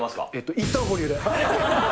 いったん、保留で。